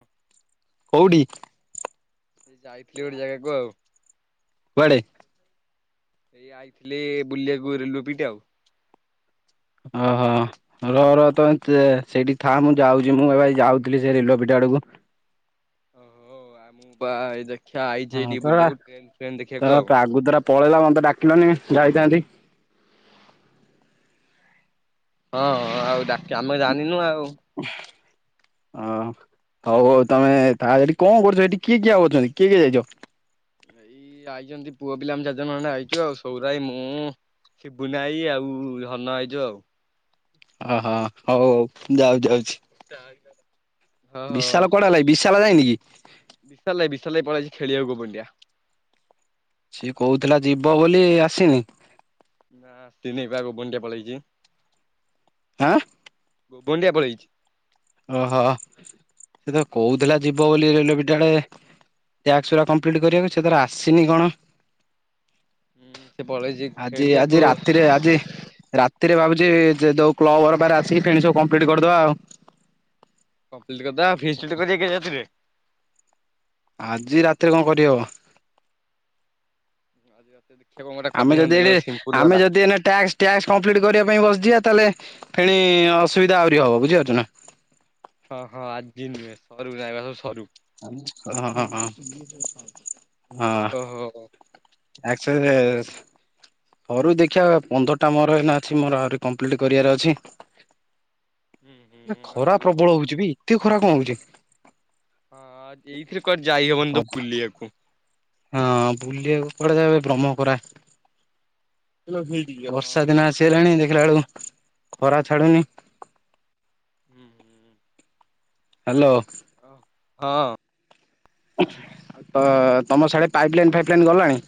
ହ କଉଠି? ସେ ଯାଇଥିଲି ଗୋଟେ ଜାଗାକୁ ଆଉ କୁଆଡେ? ସେ ଆଇଥିଲେ ବୁଲିବାକୁ ରେଲୱେ ପିଟ ଆଉ ଅହଃ। ରହ ରହ ତ ସେଇଠି ଥା ମୁଁ ଯାଉଛି ମୁଁ ଏବେ ଏଇ ଯାଉଥିଲି ସେ ରେଲୱେ ପିଟ୍ ଆଡକୁ ଓହୋ ଆଉ ମୁଁ ବା ଏ ଦେଖିଆ ହଁ ଆଇଚି ତମେ ବୁଲିବାକୁ ଟ୍ରେନ୍ ଫ୍ରେନ୍ ତମେ ଦେଖିବାକୁ ଆଉ ଆଗତୁରା ପଳେଇଲା ମତେ ଡାକିଲନି ଯାଇଥାନ୍ତି। ହଁ ହଁ ଆଉ ଡାକି ଆମେ ଜାଣିନୁ ଆଉ। ହଁ ହଉ ହଉ ତମେ ଥା ସେଠି କଣ କରୁଚ ସେଠି କିଏ କିଏ ଆଉ ଅଛନ୍ତି କିଏ କିଏ ଯାଇଚ? ଏଇ ଆଇଚନ୍ତି ପୁଅ ପିଲା ଆମେ ଚାରିଜଣ ଖଣ୍ଡେ ଆଇଚୁ ଆଉ ସଉରା ଭାଇ ମୁଁ ସେ ବୁଲା ଭାଇ ଆଉ ଧନ ଆଇଚୁ ଆଉ। ଓହୋ ହଉ ହଉ ଯାଉଚି ଯାଉଚି। ହଉ। ବିଶାଳ କୁଆଡେ଼ ଗଲା କି ବିଶାଳ ଯାଇନି କି? ବିଶାଲ ଭାଇ ବିଶାଲ ଭାଇ ପଳେଇଚି ଖେଳିବାକୁ ବୁଣ୍ଡିଆ। ସିଏ କହୁଥିଲା ଯିବ ବୋଲି ଆସିନି? ହଁ ତିନି ବା ଗୁଣ୍ଡିଚା ପଳେଇଚି। ଆଁ। ଗୁଣ୍ଡିଆ ପଳେଇଚି। ଓହୋ ସେ ତ କହୁଥିଲା ଯିବ ବୋଲି ରିଲୁବୁଟେ ଆଡେ। ଟାସ୍କ ଗୁଡା କମ୍ପ୍ଲିଟ୍ କରିବାକୁ ସେଥିରେ ଆସିନି କଣ? ହୁଁ ସେ ପଳେଇଛି ଆଜି ଖେଳିବାକୁ ଆଜି ରାତିରେ ଆଜି ରା ତି ରେ ଭାବୁଚି ଯେ ଯୋଉ କ୍ଲବ ଘର ପାଖରେ ଆସିକି ଫେଣି ସବୁ କମ୍ପ୍ଲିଟ୍ କରିଦବା ଆଉ। କମ୍ପ୍ଲିଟ୍ କରିଦବା ଫିକ୍ସଡ ଟା କିଆଁ କରିବା ରାତିରେ। ଆଜି ରାତିରେ କଣ କରିହବ? ଆଜି ରାତିରେ ଦେଖିଆ କଣ ଗୋଟେ ଆମେ କରିଦେଇଥାନ୍ତେ ଯଦି ଏଇନେ ନହେଲେ ସିମ୍ପୁଲ ବାଲା। ଆମେ ଯଦି ଏଇନେ ଟାସ୍କ ଟାସ୍କ କମ୍ପ୍ଲିଟ୍ କରିବା ପାଇଁ ବସିଯିବା ତାହେଲେ ଫେଣି ଅସୁବିଧା ଆହୁରି ହବ ବୁଝିପାରୁଚ ନା? ହଁ ହଁ ଆଜି ନୁହେଁ ସରୁ ଗାଇ ବା ସରୁ। ହ ହ ହ ହଁ। ଓହୋ। ଆକ୍ସ ଆ ରେସ୍। ସରୁ ଦେଖିବା ପନ୍ଦରଟା ମୋର ଏହିନା ଅଛି ମୋର ଆହୁରି କମ୍ପ୍ଲିଟ୍ କରିବାର ଅଛି। ହୁଁ ହୁଁ ଆଉ ଖରା ପ୍ରବଳ ହଉଛି ବେ ଏତେ ଖରା କଣ ହଉଚି? ହଁ ଏଇଥିର କୁଆଡେ଼ ଯାଇହବନି ତ ବୁଲିବାକୁ। ହଁ ବୁଲିବାକୁ କୁଆଡେ ଯାଇ ହବ ବ୍ରହ୍ମଖରା। ହଁ ବର୍ଷା ଦିନ ଆସିଗଲାଣି ଦେଖିଲା ବେଳକୁ ଖରା ଛାଡୁନି। ହୁଁ ହୁଁ। ହେଲୋ। ହଁ। ଅ ତମର ସିଆଡେ ପାଇପ୍ ଲାଇନ୍ ଫାଇପ୍ ଲାଇନ୍ ଗଲାଣି?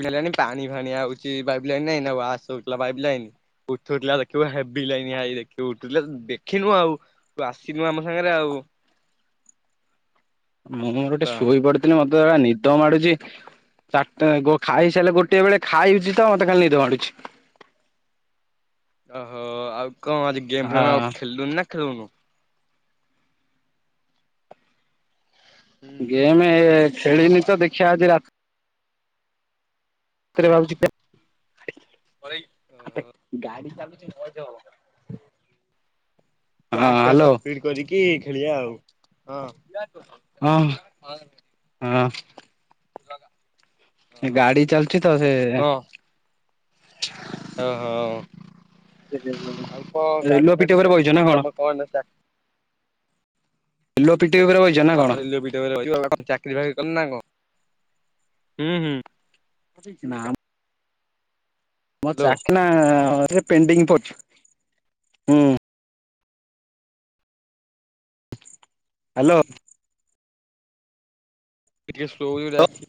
ପଳେଇ ଆଇଲାଣି ପାଣି ଫାଣି ଆଉଚି ପାଇ ଲାଇନରେ ଏଉନା ୱାଶ ହଉଥିଲା ପାଇ ଲାଇନ୍। ଉଠଉଥିଲା ଦେଖିବ ହେବି ଲାଇନି ଆଇ ଦେଖିବୁ ଉଠିଲେ ଦେଖିନୁ ଆଉ। ତୁ ଆସିନୁ ଆମ ସାଙ୍ଗରେ ଆଉ। ମୁଁ ମୋର ଗୋଟେ ହେଲା ଶୋଇ ପଡିଥିଲି ମତେ ଏ ନିଦ ମାଡୁଚି। ଚାରିଟା ହେବ ଖାଇସାରିଲେ ଗୋଟେ ବେଳେ ଖାଇଚି ତ ମତେ ଖାଲି ନିଦ ମାଡୁଚି। ଓହୋ ଆଉ କଣ ଆଜି ଗେମ୍ ଫେମ୍ ହଁ ଆଉ ଖେଳିଲୁନି ନା ଖେଳୁନୁ? ଗେମ୍ ଏ ଖେଳିନି ତ ଦେଖିବା ଆଜି ରା ଗାଡ଼ି ଟା [inaudible] [unintelligible] ପ୍ୟାଣ୍ଟ ସାର୍ଟ ସପିଙ୍ଗ କରିକି ଖେଳିବା ଆଉ ହଁ। ହଁ ହଁ। ଏ ଗାଡି ଚାଲିୁଚି ତ ସେ ହଁ ହଁ ଆଉ କଣ ଗାଡି ରେଲୱେ ପିଟି ଫାଡି ଉପରେ ବଇଛ ଚାଲୁଚି ନା କି ତମ କଣ ଚା? ଏଲୋପିିଟି ଉପରେ ବଇଚି। [inaudible] ଚାକିରି ଫକିରି କର ନା କଣ ହୁଁ ହୁଁ ନାଁ ମ। ମୋ ହ୍ୟାଲୋ ଚାଖଣା ରେ ପେଣ୍ଡିଙ୍ଗ ପଡିଚି ହୁଁ। ହ୍ୟାଲୋ। ଟିକେସ୍ଲୋ ହେଗ ରା ଆଖି।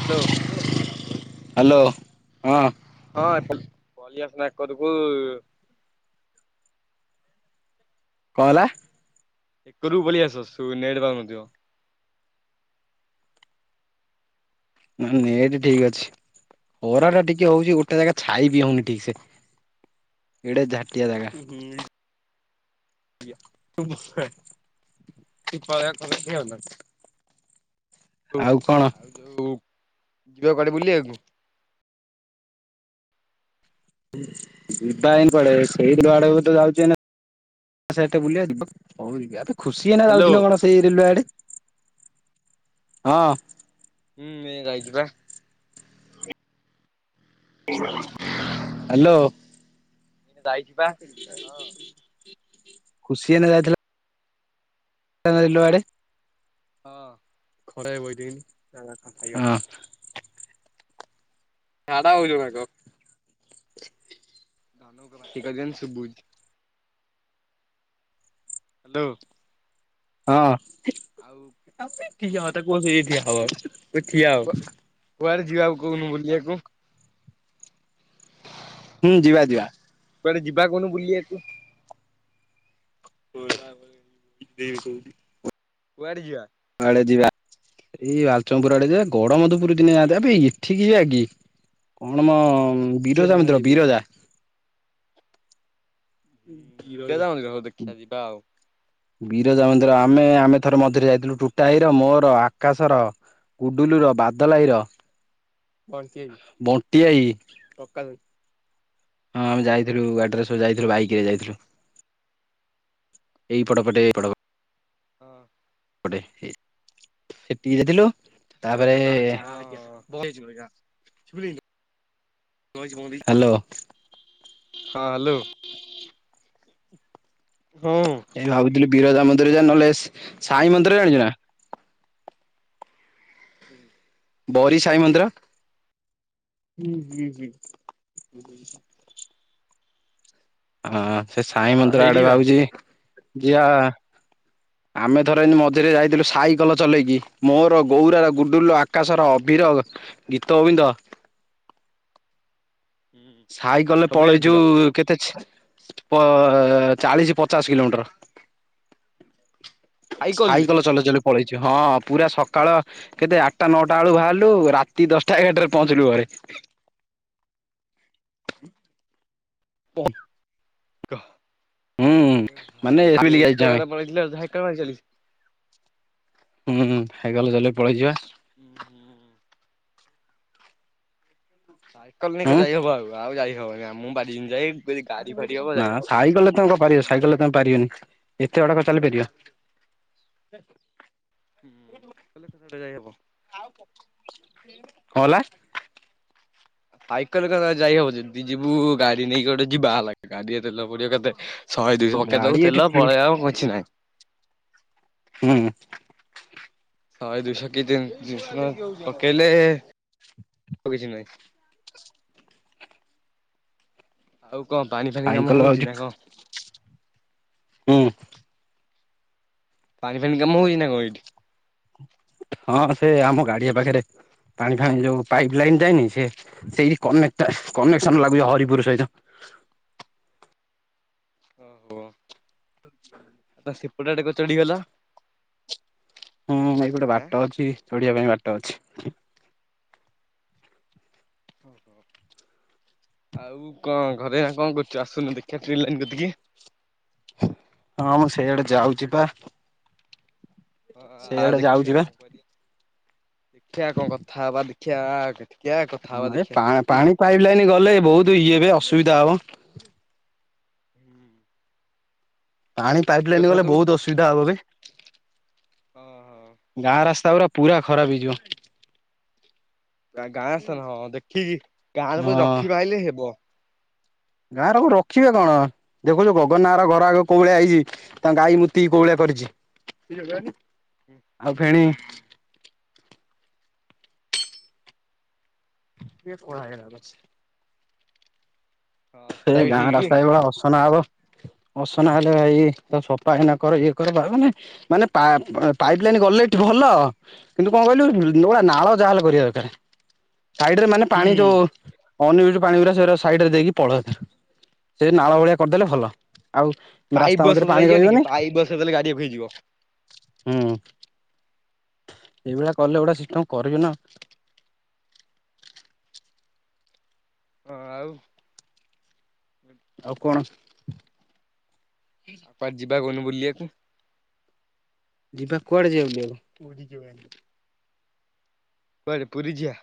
ହ୍ୟାଲୋ। ହ୍ୟାଲୋ ହଁ। ହଁ ପଳିଆସୁନା ଏକରକୁ। କଣ ହେଲା। ଏକରୁକୁ ପଳେଇଆସ ନେଟ ପାଉନଥିବ। ନେଟ ଠିକ ଅଛି ଖରା ଟା ଟିକେ ହଉଛି ଗୋଟେ ଜାଗା ଛାଇବି ହଉନି ଠିକ ସେ। ଏଡେ ଝାଟିଆ ଜାଗା। ଏ ଖରା କମିବ ନା। ଆଉ କଣ? ଯୋଉ ଯିବା କୁଆଡେ ବୁଲିବାକୁ। ଯିବା ଇ କୁଆଡେ ସେଇ ବିଲ ଆଡେକୁ ତ ଯାଉଛି ଏଇନେ। ଆଛା ଏତେ ବୁଲିବା [inaudible] ଖୁସି ଏନା ହ୍ୟାଲୋ ଯାଉଛି ନା କଣ ସେଇ ରେଲୱେ ଆଡେ ହଁ। ହୁଁ ଏନା ଯାଇଛି ପା। ହ୍ୟାଲୋ। ଯାଇଛି ବା ହଁ ଖୁସି ଏନା ଯାଇଥିଲା। ରିଲୁଏ ଆଡ଼େ। ହଁ। ଖରାରେ ବଇଥିବି [unintelligible] ହଁ। ଝାଡା ହଉଛୁ ନା କଣ? ଧନକୁ କହ ପାଟି କରିବନୀ ସୁବୁଚି। ହ୍ୟାଲୋ। ହଁ। ଆଉ। ହଁ ସେଇଠି ତାକୁ କହ ସେଉଠି ଠିଆହବ ସେ ଠିଆ ହ। କୁଆଡେ ଯିବାକୁ କହୁନୁ ବୁଲିବାକୁ। ହୁଁ ଯିବା ଯିବା। କୁଆଡ଼େ ଯିବା କହୁନୁ ବୁଲିବାକୁ। [unintelligible] କୁଆଡ଼େ ଯିବା। କୁଆଡ଼େ ଯିବା ଏଇ ବାଲିଚନପୁର ଆଡ଼େ ଯିବା ଗଡମଧୁ ପୁର ଦିନେ ଯାଆନ୍ତି ଆବେ ଏଠିକି ଯିବାକି? କଣମ ବିରଜା ମନ୍ଦିର ବିରଜା? ହୁଁ ବିରଜା ମନ୍ଦିର ହୋଉ ଦେଖିଆ ଯିବା ଆଉ। ବିରଜା ମନ୍ଦିର ଆମେ ଆମେ ଥରେ ମଝିରେ ଯାଇଥିଲୁ ଟୁଟାଭାଇର ମୋର ଆକାଶର ଗୁଡୁଲୁର ବାଦଲ ଭାଇର ବଣ୍ଟି ଭାଇ ବଣ୍ଟି ଭାଇ ପ୍ରକାଶ ଭାଇ। ହଁ ଆମେ ଯାଇଥିଲୁ ଗାଡ଼ିରେ ସବୁ ଯାଇଥିଲୁ ବାଇକ୍ ରେ ଯାଇଥିଲୁ। ଏଇ ପଟ ପଟେ ଏଇ ପଟ ହଁ। ପଟେ ହେ ସେଟିକି ଯାଇଥିଲୁ ତାପରେ ହଁ ଆଜ୍ଞା ବଇଚି ଆଜ୍ଞା। [unintelligible] ହାଲୋ। ହଁ ହାଲୋ। ହଁ। ଏଇ ଭାବୁଥିଲି ବିରଜା ମନ୍ଦିର ଯିବା ନହେଲେ ସାଇ ମନ୍ଦିର ଜାଣିଚୁନା? ହୁଁ। ବରୀ ସାଇ ମନ୍ଦିର ହୁଁ [unintelligible] ହଁ ସେ ସାଇ ହଁ ମନ୍ଦିର ଆଡ଼େ ହେଇଠିବା ଭାବୁଚି ଯିବା। ଆମେ ଥରେ ଏମତି ମଝିରେ ଯାଇଥିଲୁ ସାଇକଲ ଚଲେଇକି ମୋର ଗୌରାର, ଗୁଡ଼ୁଲୁର, ଆକାଶର ଅଭିର ଗୀତଗୋବିନ୍ଦ ସାଇକେଲରେ ସବୁ ପଳେଇଛୁ ଯାଇଥିଲ କେତେ ପ ଚାଳିଶି ପଚାଶ କିଲୋମିଟର। ସାଇକଲରେ ସାଇକେଲ ଚଲେଇ ଚଲେଇ ପଳେଇଚୁ ହଁ ପୁରା ସକାଳ କେତେ ଆଠଟା ନଅଟା ବେଳୁ ବାହାରିଲୁ ରାତି ଦଶଟା ଏଗାରଟରେ ପହଞ୍ଚିଲୁ ଘରେ। [inaudible] କ ହୁଁ ମାନେ ଏଭାଇରେ ଯାଇଛୁ ଏତେ ଆମେ ବାଟା ପଳେଇଥିଲ ସାଇକଲ ମାରି ଚାଲି? ହୁଁ ସାଇକଲ ଚଲେଇ ପଳେଇଚିବା। ଉହୁଁ। ସାଇକେଲ ନେଇକି ହୁଁ ଯାଇହବ ଆଉ ଆଉ ଯାଇହବନି ଆମୁଁ ବାରିନ ଯାଇ ଯଦି ଗାଡି ଫାଡି ହବ ନା ଯାଇ ହବ। ସାଇକେଲରେ ତମେ କଣପାରିବ ସାଇକେଲ ତମେ ପାରିବନି ଏତେ ବାଟ କଣ ଚାଲିପାରିବା? ହୁଁ କେଲେ [unintelligible] ଯାଇହବ। କଣହେଲା? ସାଇକେଲରେ କଣ ଆଉ ଯାଇହବ ଯେଦି ଯିବୁ ଗାଡ଼ି ନେଇକି ଗୋଟେ ଯିବା ହେଲାକି ଗାଡ଼ିରେ ତେଲ ପଡ଼ିବ କେତେ ଶହେ ଦୁଇଶ ପକେଇ ଗାଡି ଦବୁ ଏଠି ତେଲ ଠିକ ପଳେଇବା ଆଉ କିଛି ନାହିଁ। ହୁଁ। ଶହେ ଦୁଇଶକି ତିନ୍ ତିନିଶ ଟଙ୍କାରେ ପକେଇଲେ ଆଉ କିଛି ନାଇଁ। ଆଉ କଣ ପାଣି ଫାଣିି ସାଇକେଲ କାମ ହଉଛି ହଉଚିନା କଣ? ହୁଁ। ପାଣିି ଫାଣି କାମ ହେଉଚିନା କଣ ଏଇଠି? ହଁ ସେ ଆମ ଗାଡ଼ିଆ ପାଖରେ ପାଣି ଫାଣି ଯୋଉ ପାଇପ ଲାଇନ୍ ଯାଏନି ସେ ସେଇ କନେଟ୍ କନେକ୍ସନ ଲାଗୁଚି ହରିପୁରୁ ସହିତ। ଓହୋ। [unintelligible] ଆ ତମେ ସେପଟେ ଆଡ଼େ କଣ ଚଢିଗଲ? ହୁଁ ଭାଇ ଗୋଟେ ଆଁ ବାଟ ଅଛି ଚଢିବା ପାଇଁ ବାଟ ଅଛି। ଓହୋ ଆଉ କଣ ଘରେ କଣ କରୁଚ ଆସୁନୁ ଦେଖିବା ଟ୍ରେନ୍ ଲାଇନ୍ କତିକି? ହଁ, ମୁଁ ସେଇଆଡେ ଯାଉଛି ବା। ହଁ ଆ ସେଇଆଡେ ଯାଉଛି ଦେଖିବା ବା କଣ କରି, ଦେଖିଆ କଣ କଥା ହବା, ଦେଖିଆ ଆ ଦେଖିଆ କଥା ହବା ଏ ଦେଖିଆ ସେମତି ପାଣି ପାଇପ୍ ଲାଇନ ଗଲେ ବହୁତ ଇଏବେ ଅସୁବିଧା ହବ। ହୁଁ। ପାଣି ପାଇପ୍ ଲାଇନ ଗଲେ, ତୁ ବହୁତ ଅସୁବିଧା ହବବେ। ହଁ ଗାଁ ରାସ୍ତା ଗୁରା, ପୁରା ଖରାପ ହେଇଯିବ। ଗାଁ-ଗାଁ ରାସ୍ତା ନୁହଁ, ଦେଖିକି ଗାଁରେ ହଁ କୋଉଠି ରଖି ପାଇଲେ ହେବ। ଗାଁରେ ଆଉ ରଖିବେ କଣ, ଦେଖୁଛୁ ଗଗନାର ଘର ଆଗ କୋଉ ଭଳିଆ ହେଇଛି? ତାଙ୍କ ଗାଈ ମୁତିକି କୋଉଭଳିଆ କରିଚି। ଆଉ ଫେଣି ଟିକେ କଳା ହେଇଗଲା ବାସ୍ ହଁ ସେଟା ସେଇ ବି ଗାଁ ଠିକ ରାସ୍ତା ଏଇଭଳିଆ ଅସନା ହବ ଅସନା ହେଲେ ଭାଇ, ତାକୁ ସଫା ଏଇନା କର, ଇଏ କର ଭାଇ ମାନେ ମାନେ ପା-ପାଇପ୍ ଲାଇନ୍ ଗଲେ ଏଠି ଭଲ କିନ୍ତୁ କଣ କହିଲୁ, ନୂଳା ନାଳ ଯାହାହେଲେ କରିଆ ଦରକାରେ। ସାଇଡରେ ମାନେ ହୁଁ ପାଣି ଯୋଉ ଅନ୍ ଇଉଜ୍ ପାଣି ଗୁଡା ସେଇଗୁରା ସାଇଡରେ ଦେଇକି ପଳାନ୍ତା, ସେ ନାଳ ଭଳିଆ କରିଦେଲେ ଭଲ। ଆଉ ପାଇପ୍ ରାସ୍ତା ମଝିରେ ବସଉଦେଲେ ପାଣି ହେଇଯିବନି କି, ରହିବନି ପାଇପ୍ ବସେଇଦେଲେ ଗାଡ଼ିଆକୁ ହେଇଯିବ। ହୁଁ। ଏଇଭଳିଆ କଲେ ଗୋଟେ ସିଷ୍ଟମ କରିବି ନା ଆଉ। ହଁ, ଆଉ ଆଉ କଣ ଆଉ ପା ଯିବା କହୁନୁ ବୁଲିଆକୁ? ଯିବା, କୁଆଡେ ଯିବା ବୁଲିବାକୁ? କୁଆଡ଼େ ପୁରୀ ଯିବା?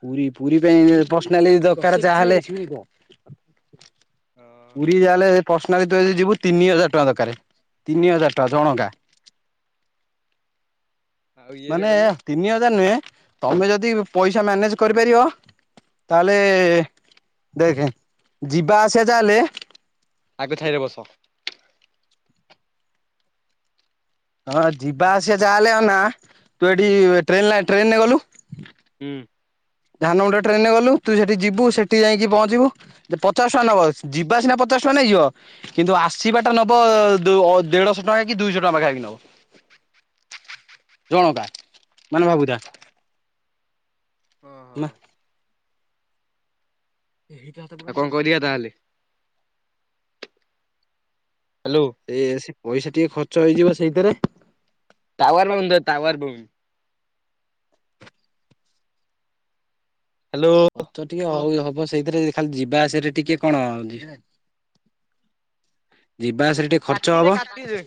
ପୁରୀ, ପୁରୀ ପାଇଁ ଏ ପର୍ସନାଲି ଦରକାର ଯାହାହେଲେ ପୁରୀ ଯାହାହେଲେ ପର୍ସନାଲି ତୁ ଯଦି ଯିବୁ ତିନି ହଜାର ଟଙ୍କା ଦରକାର, ତିନି ହଜାର ଟଙ୍କା ଜଣକା। ଆଉ ଇଏରେ ମାନେ ଗଲେ ତିନି ହଜାର ନୁହେଁ, ତମେ ଯଦି ପଇସା ମ୍ୟାନେଜ୍ କରିପାରିବ ତାହେଲେ ଦେଖେ, ଯିବା ଆସିବା ଯାହେଲେ ଆଗ ଛାଇରେ ବସ। ହଁ, ଯିବା ଆସିବା ଯାହାହେଲେ ଆଉ ନା, ତୁ ଏଠି ଟ୍ରେନଲେ ଟ୍ରେନରେ ଗଲୁ ହୁଁ। ଧାନମୁଣ୍ଡା ଟ୍ରେନରେ ଗଲୁ, ତୁ ସେଠି ଯିବୁ ହଁ ସେଠି ଯାଇଁକି ପହଞ୍ଚିବୁ ପଚାଶ ଟଙ୍କା ନବ, ଯିବା ସିନା ପଚାଶ ଟଙ୍କା ନେଇଯିବ କିନ୍ତୁ ଆସିବାଟା ନବ, ଦୋ ଦେଢଶହ ଟଙ୍କା କି ଦୁଇଶହ ଟଙ୍କା ପାଖାପାଖି ନବ। [inaudible] ଜଣକା, ମାନେ ଭାବୁଥା। ହଁ ହଁ। ଏଇ ଯାହା ତ ଆଉ କଣ କରିବା [unintelligible] ତାହେଲେ ହ୍ୟାଲୋ। ଏଇଆ, ସେ ପଇସା ଟିକେ ଖର୍ଚ୍ଚ ହେଇଯିବ ସେଇଥିରେ ଟାୱାର ପାଉନି ତ, ଟାୱାର ପାଉନି। ହ୍ୟାଲୋ ଖର୍ଚ୍ଚ ଟିକେ ହଉ ହବ ସେଇଥିରେ ଖାଲି ଯିବା ଆସିଆରେ ଟିକେ କଣ ଆଉ ଯିବା ଆସିଆରେ କାଟିଦେ, କାଟିଦେ।